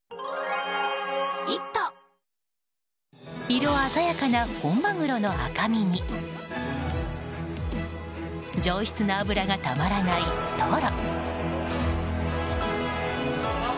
色鮮やかな本マグロの赤身に上質な脂がたまらないトロ。